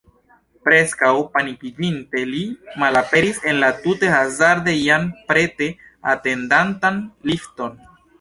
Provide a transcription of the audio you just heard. Preskaŭ panikiĝinte, li malaperis en la tute hazarde jam prete atendantan lifton.